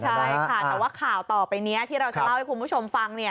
ใช่ค่ะแต่ว่าข่าวต่อไปนี้ที่เราจะเล่าให้คุณผู้ชมฟัง